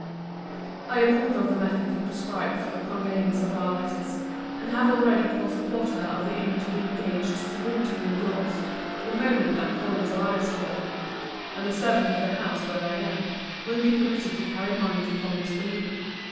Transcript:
I approve of the method you prescribe for the conveyance of our letters; and have already caused the porter of the inn to be engaged to bring to me your's, the moment that Collins arrives with them. And the servant of the house where I am will be permitted to carry mine to Collins for you.